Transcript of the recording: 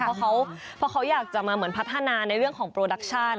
เพราะเขาอยากจะมาเหมือนพัฒนาในเรื่องของโปรดักชั่น